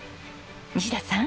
西田さん。